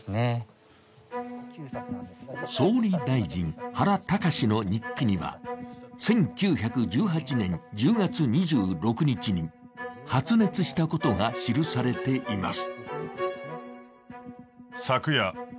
総理大臣・原敬の日記には、１９１８年１０月２６日に発熱したことが記されています。